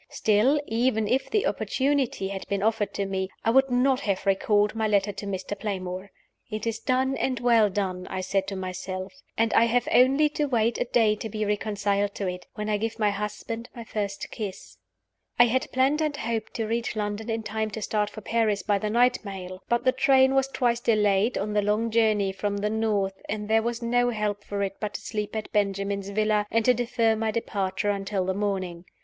Still, even if the opportunity had been offered to me, I would not have recalled my letter to Mr. Playmore. "It is done, and well done," I said to myself; "and I have only to wait a day to be reconciled to it when I give my husband my first kiss." I had planned and hoped to reach London in time to start for Paris by the night mail. But the train was twice delayed on the long journey from the North; and there was no help for it but to sleep at Benjamin's villa, and to defer my departure until the morning.